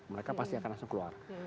mereka pasti akan langsung keluar